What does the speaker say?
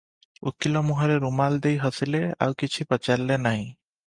ଉକୀଲ ମୁହଁରେ ରୁମାଲ ଦେଇ ହସିଲେ, ଆଉ କିଛି ପଚାରିଲେ ନାହିଁ ।